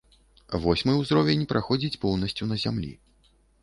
Восьмы ўзровень праходзіць поўнасцю на зямлі.